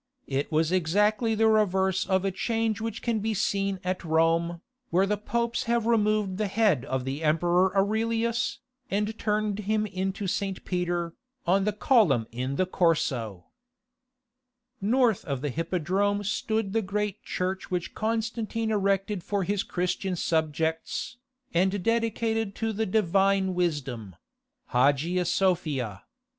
It was exactly the reverse of a change which can be seen at Rome, where the popes have removed the head of the Emperor Aurelius, and turned him into St. Peter, on the column in the Corso. Building A Palace (from a Byzantine MS.) North of the Hippodrome stood the great church which Constantine erected for his Christian subjects, and dedicated to the Divine Wisdom (Hagia Sophia).